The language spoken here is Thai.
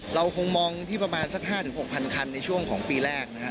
เราคงมองที่ประมาณสัก๕๖๐๐คันในช่วงของปีแรกนะครับ